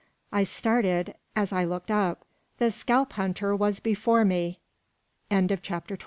I started, as I looked up. The Scalp hunter was before me! CHAPTER THIRTEEN.